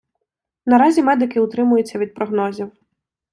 Наразі медики утримуються від прогнозів.